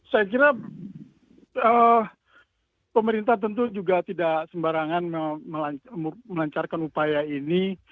saya kira pemerintah tentu juga tidak sembarangan melancarkan upaya ini